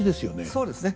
そうですね。